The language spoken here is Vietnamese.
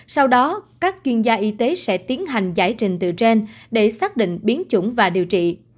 sau đó các chuyên gia y tế sẽ tiến hành giải trình từ trên để xác định biến chủng và điều trị